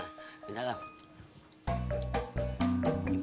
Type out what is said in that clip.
bang ojak sendiri dah